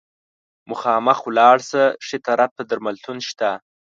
مخامخ ولاړ شه، ښي طرف ته درملتون شته.